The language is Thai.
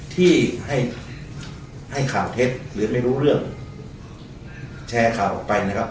ที่ให้ให้ข่าวเท็จหรือไม่รู้เรื่องแชร์ข่าวออกไปนะครับ